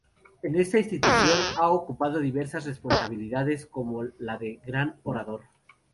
En esa institución ha ocupado diversas responsabilidades, como la de Gran Orador.